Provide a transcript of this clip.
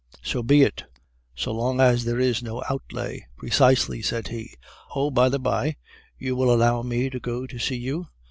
"'So be it; so long as there is no outlay.' "'Precisely,' said he. "Ah, by the by, you will allow me to go to see you?